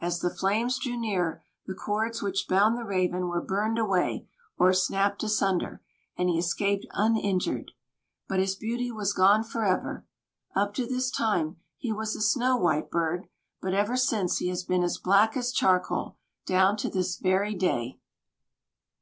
As the flames drew nearer, the cords which bound the Raven were burned away, or snapped asunder, and he escaped uninjured. But his beauty was gone forever. Up to this time, he was a snow white bird; but ever since he has been as black as charcoal, down to this very day.